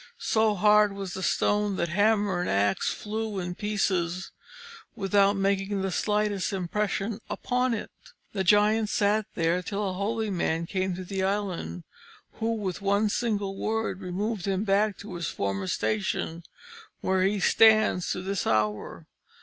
So hard was the stone, that hammer and axe flew in pieces without making the slightest impression upon it. The giant sat there till a holy man came to the island, who with one single word removed him back to his former station, where he stands to this hour.